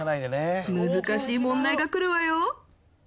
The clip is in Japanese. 難しい問題が来るわよ。